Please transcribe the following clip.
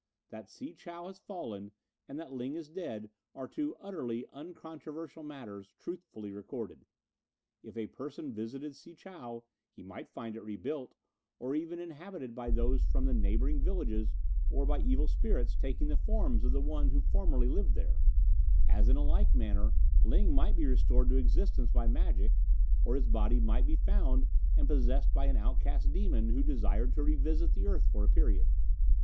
"That Si chow has fallen and that Ling is dead are two utterly uncontroversial matters truthfully recorded. If a person visited Si chow, he might find it rebuilt or even inhabited by those from the neighbouring villages or by evil spirits taking the forms of the ones who formerly lived there; as in a like manner, Ling might be restored to existence by magic, or his body might be found and possessed by an outcast demon who desired to revisit the earth for a period.